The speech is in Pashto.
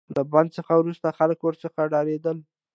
له بند څخه وروسته خلک ورڅخه ډاریدل.